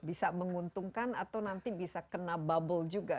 bisa menguntungkan atau nanti bisa kena bubble juga